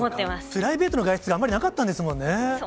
プライベートの外出があまりそうなんですよね。